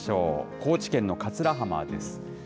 高知県の桂浜です。